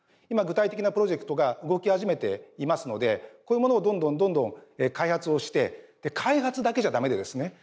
今具体的なプロジェクトが動き始めていますのでこういうものをどんどんどんどん開発をしてで開発だけじゃ駄目でですね